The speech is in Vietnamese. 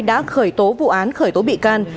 đã khởi tố vụ án khởi tố bị can